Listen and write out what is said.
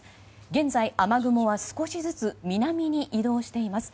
現在、雨雲は少しずつ南に移動しています。